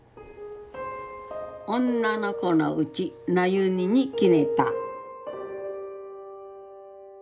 女の子のうち真由美に決めた。